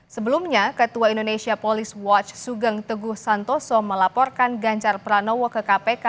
sebelumnya ketua indonesia police watch sugeng teguh santoso melaporkan ganjar pranowo ke kpk